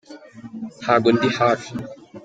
ntago ndihafi.